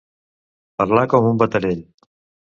Parlar com un baterell.